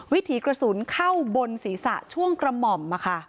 วิถีกระสุนเข้าบนศีรษะช่วงกระหม่อม